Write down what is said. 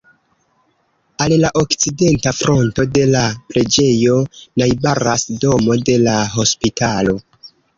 Al la okcidenta fronto de la preĝejo najbaras domo de la hospitalo.